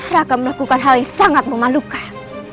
raka melakukan hal yang sangat memalukan